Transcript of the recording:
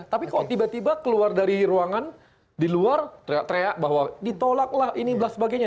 tapi kok tiba tiba keluar dari ruangan di luar teriak teriak bahwa ditolak lah ini dan sebagainya